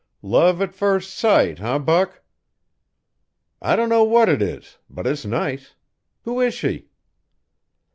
"Love at first sight, eh, Buck?" "I don't know what it is, but it's nice. Who is she?"